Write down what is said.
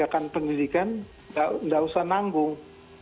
tindakan pendidikan tidak usah nanggung